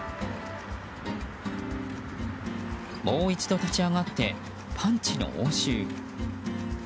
もう１度立ち上がってパンチの応酬。